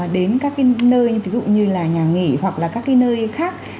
đến các cái nơi ví dụ như là nhà nghỉ hoặc là các cái nơi khác